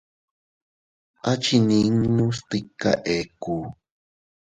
Achinninnu stika ekku.